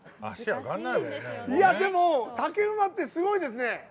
でも、竹馬ってすごいですね。